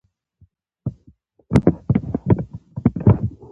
د تربيت فقدان د دوي پۀ لب و لهجه کښې